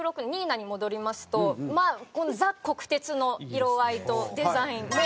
ニーナに戻りますとこのザ・国鉄の色合いとデザイン。